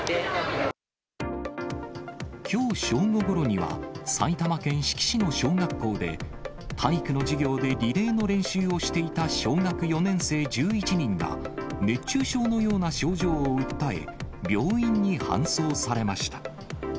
きょう正午ごろには、埼玉県志木市の小学校で、体育の授業でリレーの練習をしていた小学４年生１１人が、熱中症のような症状を訴え、病院に搬送されました。